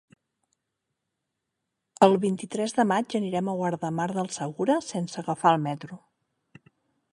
El vint-i-tres de maig anirem a Guardamar del Segura sense agafar el metro.